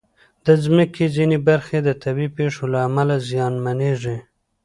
د مځکې ځینې برخې د طبعي پېښو له امله زیانمنېږي.